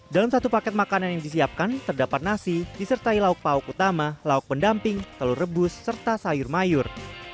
dalam satu paket makanan yang disiapkan terdapat nasi disertai lauk pauk utama lauk pendamping telur rebus serta sayur mayur